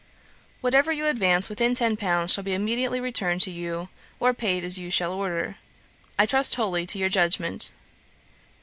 'Whatever you advance within ten pounds shall be immediately returned to you, or paid as you shall order. I trust wholly to your judgement.